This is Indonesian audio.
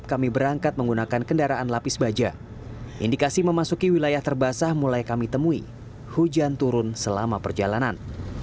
setelah memasuki wilayah terbasah mulai kami temui hujan turun selama perjalanan